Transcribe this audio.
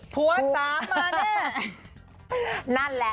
ผัวตำมาแน่